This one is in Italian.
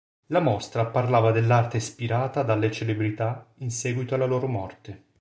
La mostra parlava dell'arte ispirata dalle celebrità in seguito alla loro morte.